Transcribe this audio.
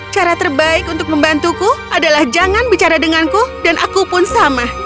cara terbaik untuk membantuku adalah jangan bicara denganku dan aku pun sama